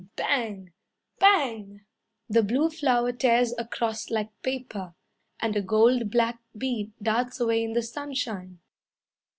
Bang! BANG!! The blue flower tears across like paper, And a gold black bee darts away in the sunshine.